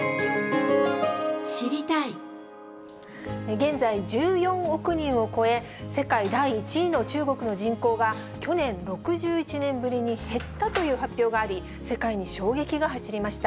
現在、１４億人を超え、世界第１位の中国の人口が、去年、６１年ぶりに減ったという発表があり、世界に衝撃が走りました。